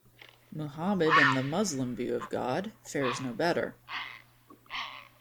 Muhammad, and the Muslim view of God, fares no better.